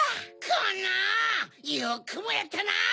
このよくもやったな！